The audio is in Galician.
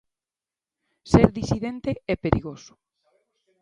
Ser disidente é perigoso.